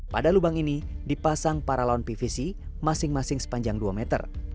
pada lubang ini dipasang para lawan pvc masing masing sepanjang dua meter